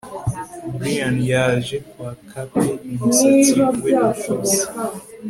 Brian yaje kwa Kate umusatsi we utose